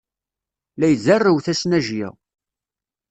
La izerrew tasnajya.